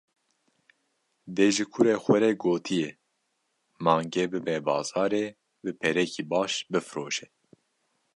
Dê ji kurê xwe re gotiye: Mangê bibe bazarê, bi perekî baş bifroşe.